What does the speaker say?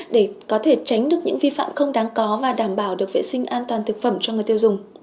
để có thể tránh được những vi phạm không đáng có và đảm bảo được vệ sinh an toàn thực phẩm cho người tiêu dùng